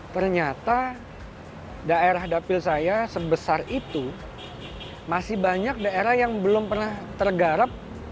ternyata daerah dapil saya sebesar itu masih banyak daerah yang belum pernah tergarap